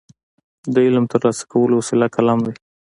د علم ترلاسه کولو وسیله قلم دی.